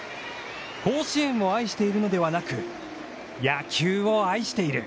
甲子園を愛しているのではなく野球を愛している。